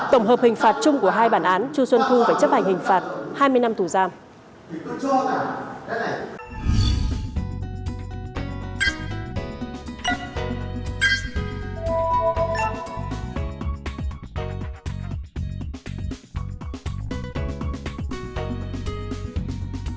tổng hợp hình phạt chung của hai bản án chu xuân thu phải chấp hành hình phạt hai mươi năm tù giam